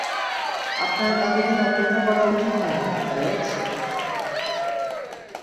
আপনার এতদিন অপেক্ষা করা উচিৎ হয়নি, অ্যালেক্স।